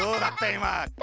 いま。